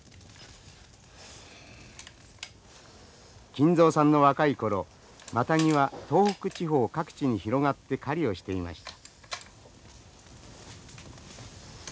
金蔵さんの若い頃マタギは東北地方各地に広がって狩りをしていました。